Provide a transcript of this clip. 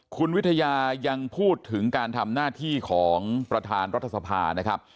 คุณวิทยายังพูดถึงการทำหน้าที่ของประธานรัฐสภานะครับ